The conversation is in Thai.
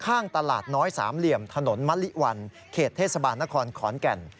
ข้างตลาดน้อยสามเหลี่ยมถนนมะลิวันเขตเทศบาลนครขอนแก่น